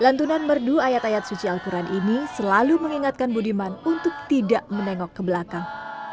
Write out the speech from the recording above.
lantunan merdu ayat ayat suci al quran ini selalu mengingatkan budiman untuk tidak menengok ke belakang